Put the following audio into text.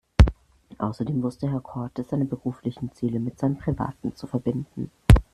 Außerdem wusste Herr Korte seine beruflichen Ziele mit seinen privaten zu verbinden.